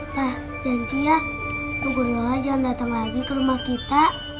pak janji ya bu guru yola jangan datang lagi ke rumah kita